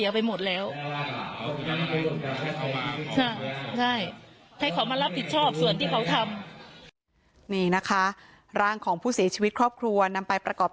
อยากให้เขามารับผิดชอบในสิ่งที่เขาทำ